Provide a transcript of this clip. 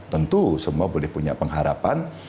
tentu semua boleh punya pengharapan